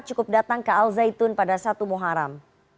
cukup datang ke al zaitun pada satu muharam